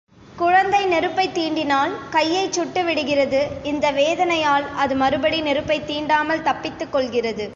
குழந்தை நெருப்பைத் தீண்டினால் கையைச் சுட்டு விடுகிறது இந்த வேதனையால் அது மறுபடி நெருப்பைத் தீண்டாமல் தப்பித்துக் கொள்கிறது.